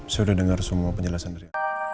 saya sudah dengar semua penjelasan dari